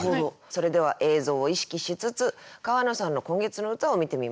それでは映像を意識しつつ川野さんの今月の歌を見てみましょう。